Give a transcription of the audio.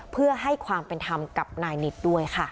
เพื่อให้ความเป็นธรรมกับนายนิดด้วยค่ะ